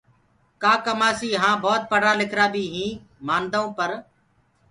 ڪآ ڪمآسيٚ هآن ڀوت پڙهرآ لکرآ بيٚ هينٚ مآندآئو پر